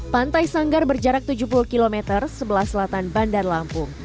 pantai sanggar berjarak tujuh puluh km sebelah selatan bandar lampung